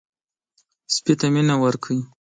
سپي ته مینه ورکړئ.